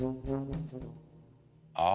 ああ。